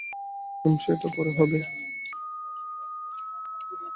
হুম, সেটা পরে হবে।